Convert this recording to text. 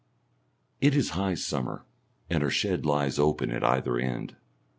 It is high summer, and our shed lies open at either end.